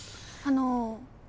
あの。